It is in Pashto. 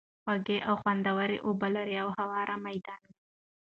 خوږې او خوندوَري اوبه لري، او هوار ميدان دی